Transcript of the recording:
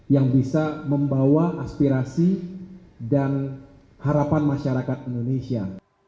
yang bisa membawa aspirasi dan harapan masyarakat indonesia